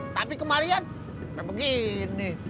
tapi kemarin udah begini